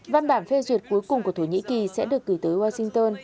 văn bản phê duyệt cuối cùng của thổ nhĩ kỳ sẽ được gửi tới washington